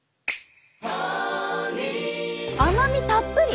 甘みたっぷり！